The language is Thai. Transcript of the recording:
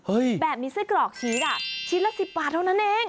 เฮ้ยแบบนี้ไส้กรอกชีสชิ้นละ๑๐บาทเท่านั้นเอง